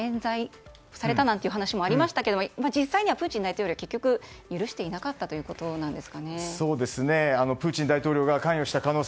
ただ、立石さん一度は免罪されたという話もありましたが実際にはプーチン大統領は結局、許していなかったということなんでしょうか。